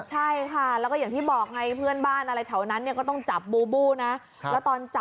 ใช่ค่ะแล้วก็อย่างที่บอกไงเพื่อนบ้านอะไรแถวนั้นเนี่ยก็ต้องจับบูบูนะ